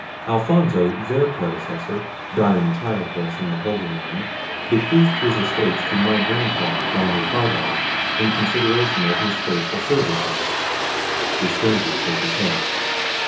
Alfonso, their predecessor, dying childless in the Holy Land, bequeathed his estates to my grandfather, Don Ricardo, in consideration of his faithful services." The stranger shook his head.